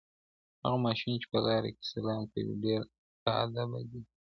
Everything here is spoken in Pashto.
هغه ماشوم چې په لاره کې سلام کوي ډېر باادبه دی.